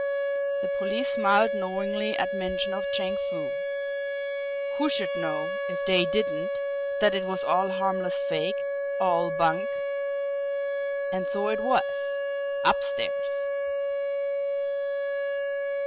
The police smiled knowingly at mention of Chang Foo. Who should know, if they didn't, that it was all harmless fake, all bunk! And so it was UPSTAIRS!